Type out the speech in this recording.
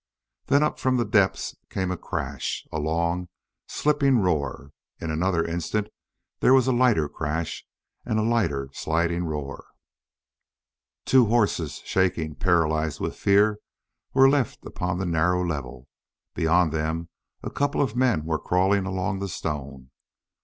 Then up from the depths came a crash, a long, slipping roar. In another instant there was a lighter crash and a lighter sliding roar. Two horses, shaking, paralyzed with fear, were left upon the narrow level. Beyond them a couple of men were crawling along the stone.